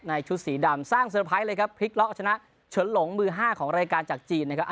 ชุดสีดำสร้างเซอร์ไพรส์เลยครับพลิกล็อกเอาชนะเฉินหลงมือห้าของรายการจากจีนนะครับ